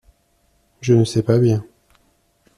Je ne sais pas bien.